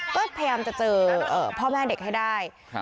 ก็พยายามจะเจอพ่อแม่เด็กให้ได้